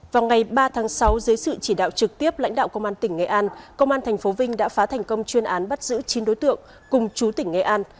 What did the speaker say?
vào ngày ba tháng sáu dưới sự chỉ đạo trực tiếp lãnh đạo công an tỉnh nghệ an công an tp vinh đã phá thành công chuyên án bắt giữ chín đối tượng cùng chú tỉnh nghệ an